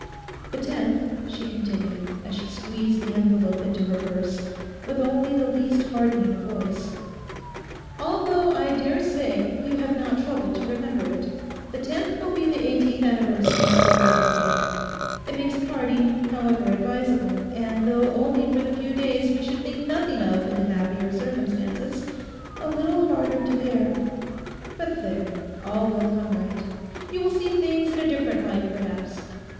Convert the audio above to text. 'The tenth,' she continued, as she squeezed the envelope into her purse, with only the least hardening of voice, 'although I daresay you have not troubled to remember it—the tenth will be the eighteenth anniversary of our wedding day. It makes parting, however advisable, and though only for the few days we should think nothing of in happier circumstances, a little harder to bear. But there, all will come right. You will see things in a different light, perhaps.